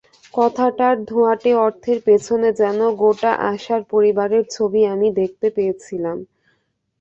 কথাটার ধোঁয়াটে অর্থের পেছনে যেন গোটা আশার পরিবারের ছবি আমি দেখতে পেয়েছিলাম।